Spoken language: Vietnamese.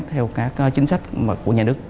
theo các chính sách của nhà nước